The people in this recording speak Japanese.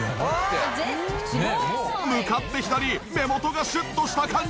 向かって左目元がシュッとした感じ。